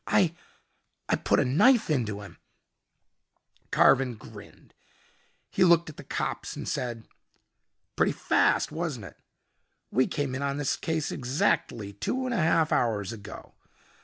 I I put a knife into him " Carven grinned. He looked at the cops and said, "Pretty fast, wasn't it? We came in on this case exactly two and a half hours ago.